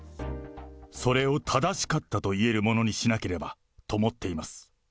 それを正しかったと言えるものにしなければと思っています。